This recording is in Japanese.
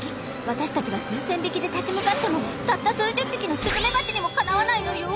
私たちが数千匹で立ち向かってもたった数十匹のスズメバチにもかなわないのよ。